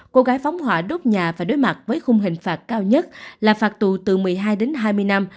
cô gái phóng hỏa đốt nhà phải đối mặt với khung hình phạt cao nhất là phạt tù từ một mươi hai đến hai mươi năm